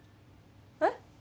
えっ？